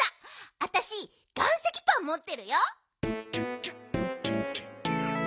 あたし岩石パンもってるよ。